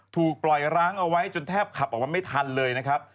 ถูกปล่อยร้างเอาไว้จนแทบขับออกมาไม่ทันเลยนะครับ